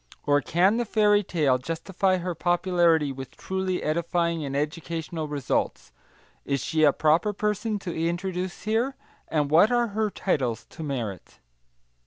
Or can the Fairy Tale justify her popularity with truly edifying and educational results? Is she a proper person to introduce here, and what are her titles to merit?